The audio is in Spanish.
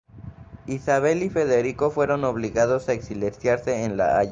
Isabel y Federico fueron obligados a exiliarse en La Haya.